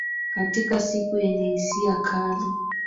Katika siku yenye hisia kali